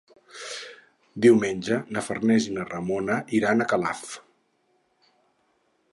Diumenge na Farners i na Ramona iran a Calaf.